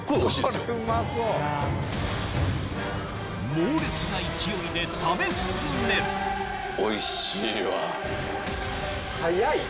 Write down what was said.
猛烈な勢いで食べ進める早い。